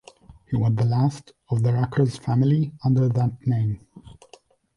He was the last of the Ruckers family under that name.